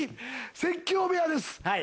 説教部屋です。